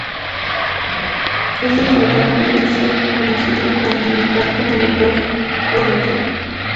Este tratado debía ser conocido como el Pacto Molotov-Ribbentrop.